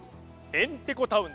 ヘンテコタウン？